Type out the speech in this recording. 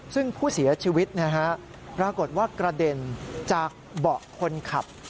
ซึ่งผู้เสียชีวิตนะฮะปรากฏว่ากระเด็นจากเบาะคนขับ